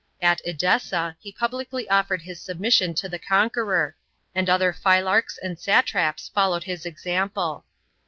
At Edessa he publicly offered his submission to the conqueror, and other phylarchs and satraps followed his example.